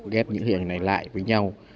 ghép những hình ảnh này lại với nhau